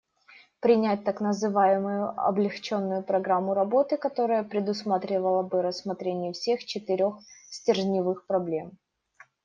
Принять так называемую облегченную программу работы, которая предусматривала бы рассмотрение всех четырех стержневых проблем.